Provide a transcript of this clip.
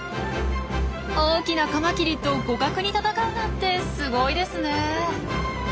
大きなカマキリと互角に戦うなんてすごいですねえ！